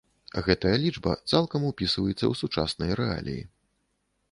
Гэтая лічба цалкам упісваецца ў сучасныя рэаліі.